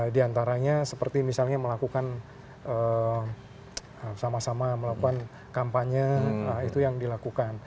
di antaranya seperti misalnya melakukan sama sama melakukan kampanye itu yang dilakukan